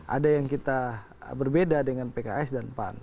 ada yang kita berbeda dengan pks dan pan